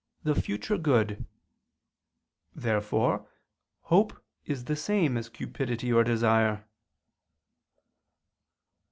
the future good. Therefore hope is the same as cupidity or desire.